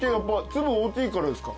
粒大きいからですか？